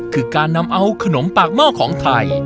คือการนำเอาขนมปากหม้อของไทย